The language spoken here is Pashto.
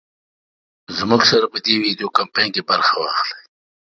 زمونږ سره په دې وېډيو کمپين کې برخه واخلۍ